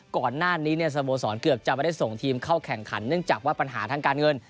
ก่อนหน้านี้เนี่ยสโมสรเกือบจะไม่ได้ส่งทีมเข้าแข่งขันเนื่องจากว่าปัญหาทางการเงิน